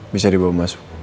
bisa dibawa masuk